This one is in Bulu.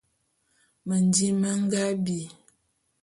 Mendim me nga bi.